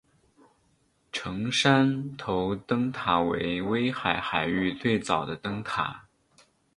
成山头灯塔为威海海域最早的灯塔。